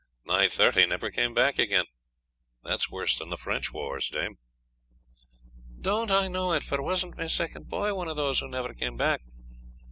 Nigh thirty never came back again. That is worse than the French wars, dame." "Don't I know it, for wasn't my second boy one of those who never came back.